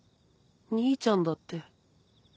兄ちゃんだって。